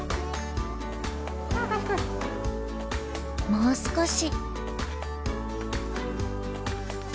もう少し。